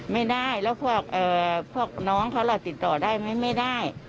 ไม่ได้แล้วพวกน้องเขาล่ะติดต่อได้ไหมไม่ได้